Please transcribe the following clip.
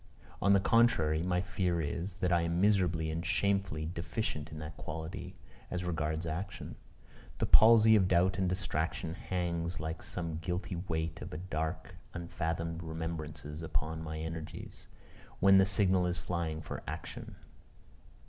On the contrary, my fear is, that I am miserably and shamefully deficient in that quality as regards action. The palsy of doubt and distraction hangs like some guilty weight of dark unfathomed remembrances upon my energies, when the signal is flying for action.